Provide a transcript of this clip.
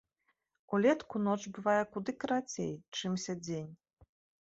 Улетку ноч бывае куды карацей, чымся дзень.